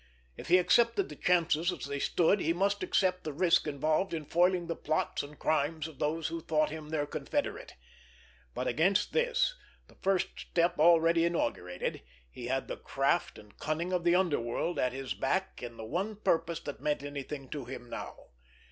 If he accepted the chances as they stood, he must accept the risk involved in foiling the plots and crimes of those who thought him their confederate; but against this, the first step already inaugurated, he had the craft and cunning of the underworld at his back in the one purpose that meant anything to him now.